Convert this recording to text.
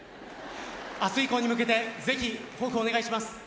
明日以降に向けてぜひ、抱負をお願いします。